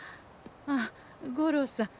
あっ五郎さん